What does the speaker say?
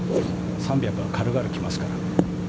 ３００は軽々いきますから。